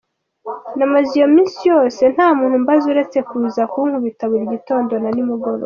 Namaze iyo minsi yose ntamuntu umbaza, uretse kuza kunkubita buri gitondo na nimugoroba”.